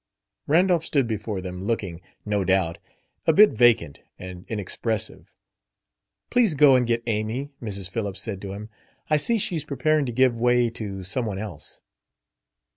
Randolph stood before them, looking, no doubt, a bit vacant and inexpressive. "Please go and get Amy," Mrs. Phillips said to him. "I see she's preparing to give way to some one else."